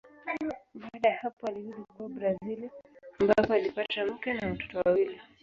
Baada ya hapo alirudi kwao Brazili ambapo alipata mke na watoto wawili.